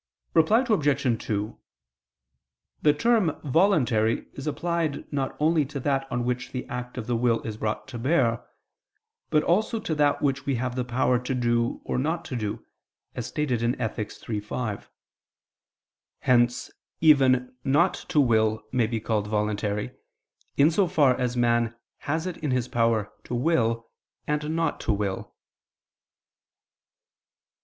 Reply Obj. 2: The term "voluntary" is applied not only to that on which the act of the will is brought to bear, but also to that which we have the power to do or not to do, as stated in Ethic. iii, 5. Hence even not to will may be called voluntary, in so far as man has it in his power to will, and not to will.